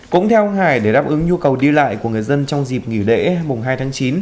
cũng theo hải để đáp ứng nhu cầu đi lại của người dân trong dịp nghỉ lễ mùng hai tháng chín